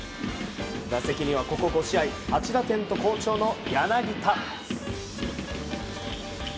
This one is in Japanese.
打席にはここ５試合８打点と好調の柳田。